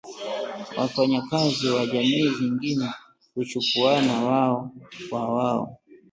wafanyakazi wa jamii zingine huchukuwana wao kwa wao